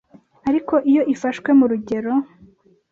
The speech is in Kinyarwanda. ariko iyo ifashwe mu rugero